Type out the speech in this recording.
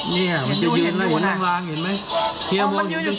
มันจะยืนตรงตรงล่างเห็นไหม